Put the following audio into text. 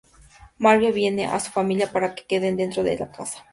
Marge previene a su familia para que se queden dentro de la casa.